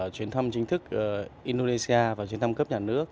chuyến thăm chính thức indonesia và chuyến thăm cấp nhà nước